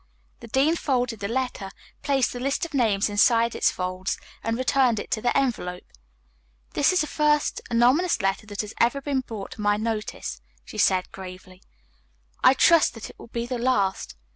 The dean folded the letter, placed the list of names inside its folds and returned it to the envelope. "This is the first anonymous letter that has ever been brought to my notice," she said gravely. "I trust it will be the last.